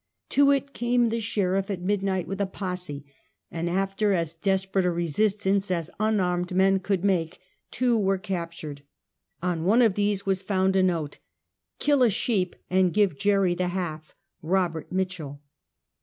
To it came the sheriff at mid night with a posse, and after as desperate a resistance as unarmed men could make, two were captured. On one of these was found a note: " Kill a sheep and give Jerry the half. " Rob't Mitchell."